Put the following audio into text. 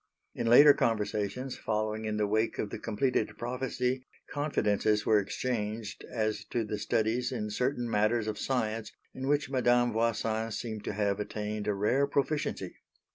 In later conversations, following in the wake of the completed prophecy, confidences were exchanged as to the studies in certain matters of science in which Madame Voisin seemed to have attained a rare proficiency.